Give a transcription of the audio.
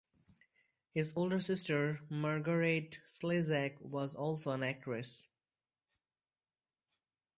His older sister Margarete Slezak was also an actress.